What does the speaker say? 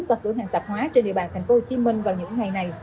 và cửa hàng tạp hóa trên địa bàn tp hcm vào những ngày này